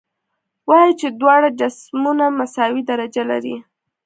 وایو چې دواړه جسمونه مساوي درجه لري.